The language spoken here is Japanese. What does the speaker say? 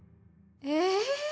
え。